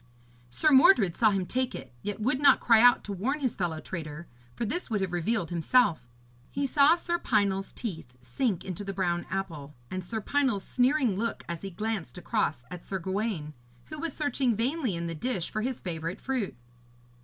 Sir Mordred saw him take it, yet would not cry out to warn his fellow traitor, for this would have revealed himself. He saw Sir Pinel's teeth sink into the brown apple, and Sir Pinel's sneering look as he glanced across at Sir Gawaine, who was searching vainly in the dish for his favourite fruit.